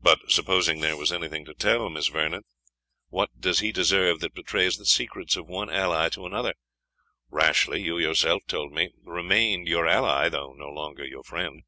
"But, supposing there was anything to tell, Miss Vernon, what does he deserve that betrays the secrets of one ally to another? Rashleigh, you yourself told me, remained your ally, though no longer your friend."